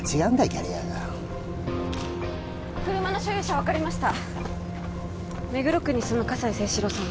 キャリアが車の所有者分かりました目黒区に住む葛西征四郎さん